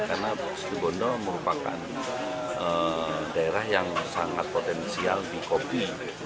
karena situwondo merupakan daerah yang sangat potensial di kopi